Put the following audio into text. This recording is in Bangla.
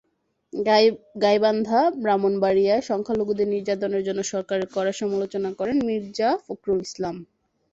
গাইবান্ধা, ব্রাহ্মণবাড়িয়ায় সংখ্যালঘুদের নির্যাতনের জন্য সরকারের কড়া সমালোচনা করেন মির্জা ফখরুল ইসলাম।